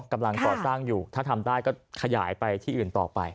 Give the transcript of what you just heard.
กำลังก่อสร้างอยู่ถ้าทำได้ก็ขยายไปที่อื่นต่อไป